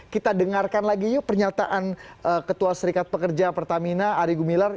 kita dengarkan lagi yuk pernyataan ketua serikat pekerja pertamina ari gumilar